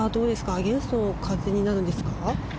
アゲンストの風になるんですか。